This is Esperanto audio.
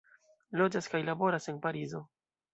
Loĝas kaj laboras en Parizo.